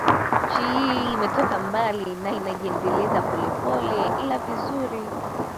Nchi hii imetoka mbali na inajiendeleza polepole ila vizuri